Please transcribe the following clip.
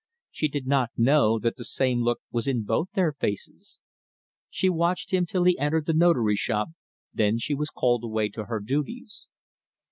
She did not know that the same look was in both their faces. She watched him till he entered the Notary's shop, then she was called away to her duties.